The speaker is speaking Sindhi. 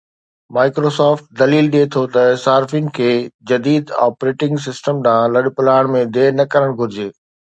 Microsoft دليل ڏئي ٿو ته صارفين کي جديد آپريٽنگ سسٽم ڏانهن لڏپلاڻ ۾ دير نه ڪرڻ گهرجي